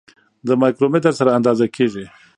د مایکرومتر سره اندازه کیږي.